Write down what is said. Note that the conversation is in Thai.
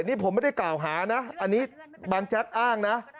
นี่ผมไม่ได้กล่าวหานะอันนี้บางแจ๊กอ้างนะ